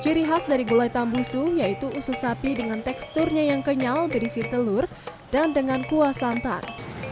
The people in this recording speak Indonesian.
ciri khas dari gulai tambusu yaitu usus sapi dengan teksturnya yang kenyal berisi telur dan dengan kuah santan